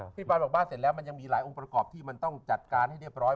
พี่ปานบอกว่าเสร็จแล้วมันยังมีหลายองค์ประกอบที่มันต้องจัดการให้เรียบร้อย